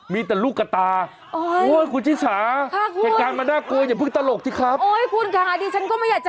ตีกันกลางหมู่บ้านเลยค่า